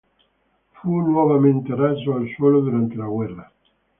Fu nuovamente raso al suolo durante la guerra.